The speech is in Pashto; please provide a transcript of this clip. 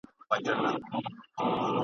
نه په زړه رازونه پخواني لري !.